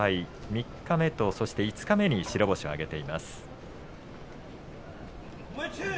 三日目と五日目に白星を挙げています。